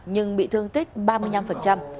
nhưng bị thương tích ba mươi năm